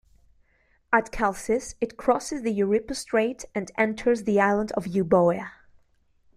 At Chalcis it crosses the Euripus Strait, and enters the island of Euboea.